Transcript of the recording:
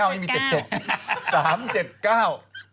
๓๗๙ยังมีเจ็ดเจาะ